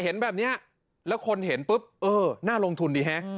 เห็นแบบนี้แล้วคนเห็นปุ๊บเออน่าลงทุนดีฮะ